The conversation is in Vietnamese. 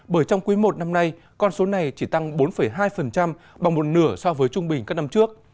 bởi trong quý i năm nay con số này chỉ tăng bốn hai bằng một nửa so với trung bình các năm trước